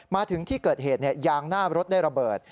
มาถึงที่เกิดเหตุยางหน้ารถได้ระเบิด